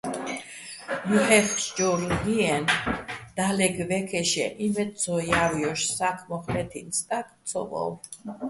ჲუჰ̦ეხჯორ დიეჼო̆, და́ლეგ ვე́ქეშ-ე იმედ ცო ჲა́ვჲოშ სა́ქმოხ ლეთინი̆ სტაკ ცო ვოუ̆ვო̆.